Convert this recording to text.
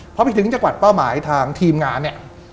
พอไปถึงจังหวัดเป้าหมายทางทีมงานเนี่ย